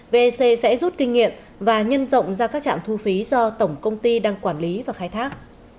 vec sẽ rút kinh nghiệm và nhân rộng ra các trạm thu phí do tổng công ty đang quản lý và khai thác